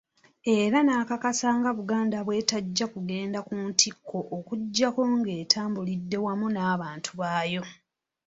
Era n'akakasa nga Buganda bwe tajja kugenda ku ntikko okuggyako ng'etambulidde wamu n’abantu baayo.